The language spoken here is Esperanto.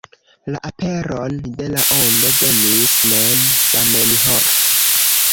La aperon de La Ondo benis mem Zamenhof.